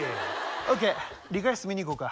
オーケー理科室見に行こうか。